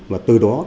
và từ đó